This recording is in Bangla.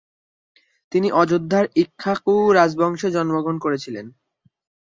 তিনি অযোধ্যার ইক্ষ্বাকু রাজবংশে জন্মগ্রহণ করেছিলেন।